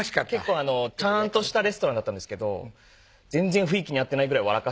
結構ちゃんとしたレストランだったんですけど全然雰囲気に合ってないぐらい笑